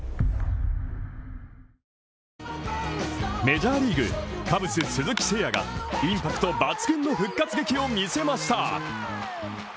メジャーリーグカブス・鈴木誠也がインパクト抜群の復活劇を見せました。